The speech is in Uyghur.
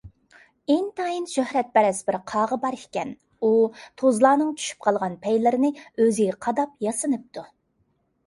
ئىنتايىن شۆھرەتپەرەس بىر قاغا بار ئىكەن. ئۇ توزلارنىڭ چۈشۈپ قالغان پەيلىرىنى ئۆزىگە قاداپ ياسىنىپتۇ.